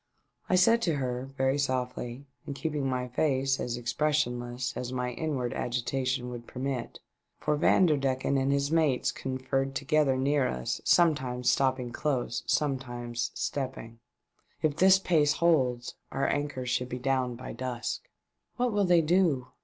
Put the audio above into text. I said to her, very softly, and keeping my face as expressionless as my inward agita tion would permit — for Vanderdecken and his mates conferred together near us, sometimes stopping close, sometimes stepping —" If this pace holds our anchor should be down bv dusk." 456 THE DEATH SHIP. " What will they do